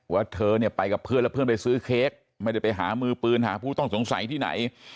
ว่าเธอเนี่ยไปกับเพื่อนแล้วเพื่อนไปซื้อเค้กไม่ได้ไปหามือปืนหาผู้ต้องสงสัยที่ไหน